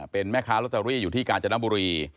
เป็นแม่ค้าลอตเตอรี่อยู่ที่กาญจนบุรี